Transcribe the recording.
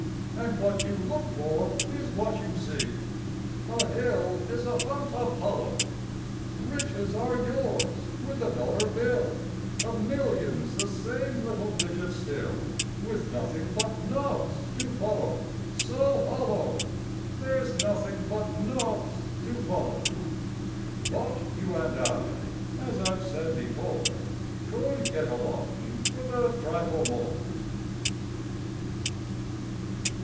And what you look for is what you see; A hill is a humped up hollow. Riches are yours with a dollar bill; A million's the same little digit still, With nothing but naughts to follow, So hollo! There's nothing but naughts to follow. (But you and I, as I've said before, Could get along with a trifle more.)